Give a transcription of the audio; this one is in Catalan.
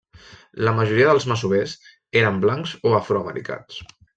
La majoria dels masovers eren blancs o afroamericans.